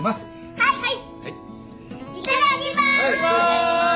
はい。